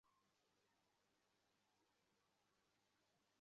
তার ওপর ভিত্তি করেই দাঁড়িয়ে আছে ইলেকট্রনিকসের মতো প্রযুক্তিবিদ্যা।